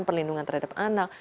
perlindungan terhadap anak